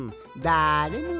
だれも！？